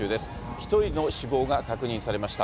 １人の死亡が確認されました。